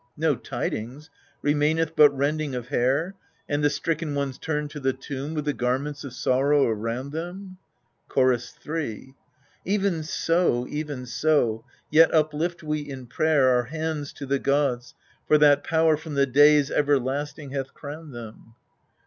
No tidings ? remaineth but rending of hair, And the stricken ones turned to the tomb with the gar ments of sorrow around them ? Chorus j. Even so even so ! yet uplift we in prayer Our hands to the gods, for that power from the days everlasting hath crowned them.